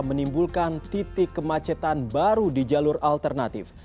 menimbulkan titik kemacetan baru di jalur alternatif